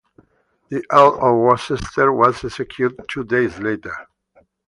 The Earl of Worcester was executed two days later.